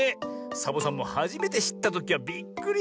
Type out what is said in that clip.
サボさんもはじめてしったときはびっくりしたぜ。